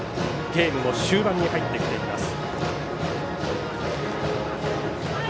ゲームも終盤に入ってきています。